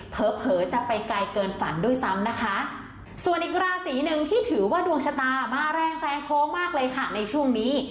เผลอจะไปไกลเกินฝันด้วยซ้ำนะคะส่วนอีกราศีหนึ่งที่ถือว่าดวงชะตามาแรงแซงโค้งมากเลยค่ะในช่วงนี้